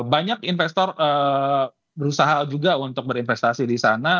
banyak investor berusaha juga untuk berinvestasi di sana